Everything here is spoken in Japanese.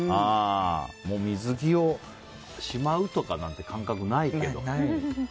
水着をしまうとかいう感覚はないけど。